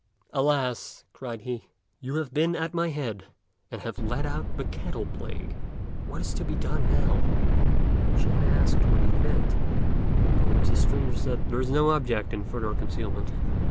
"Alas!" cried he, "you have been at my head, and have let out the Cattle Plague. What is to be done, now?" Ch'ên asked what he meant: upon which the stranger said, "There is no object in further concealment.